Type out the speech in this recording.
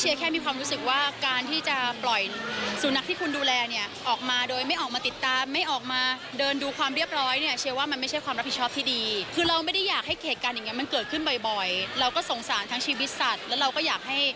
อย่างที่เชียวพูดนะครับ